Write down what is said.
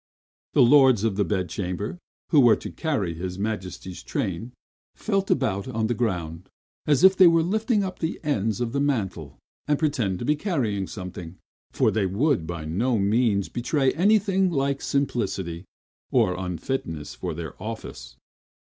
The lords of the bedchamber, who were to carry his Majesty's train felt about on the ground, as if they were lifting up the ends of the mantle; and pretended to be carrying something; for they would by no means betray anything like simplicity, or unfitness for their office.